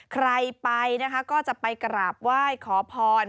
ใครไปนะคะก็จะไปกราบไหว้ขอพร